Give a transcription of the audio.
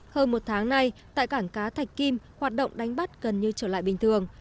hơn một tháng nay tại cảng cá thạch kim hoạt động đánh bắt gần như trở lại bình thường